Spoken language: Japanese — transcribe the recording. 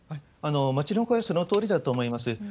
街の声はそのとおりだと思います。